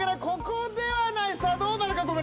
ここではないさぁどうなるか？